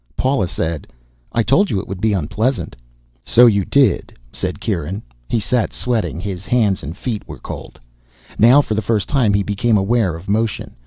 Paula said, "I told you it would be unpleasant." "So you did," said Kieran. He sat, sweating. His hands and feet were cold. Now for the first time he became aware of motion.